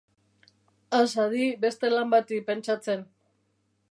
Has hadi beste lan bati pentsatzen...